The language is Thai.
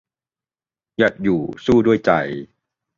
หยัดอยู่สู้ด้วยใจ